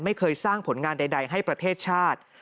ไม่เคยสร้างผลงานใดให้ประเทศชาติ